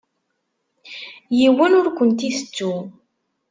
Yiwen ur kent-itettu.